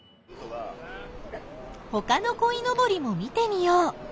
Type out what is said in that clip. ほかのこいのぼりも見てみよう！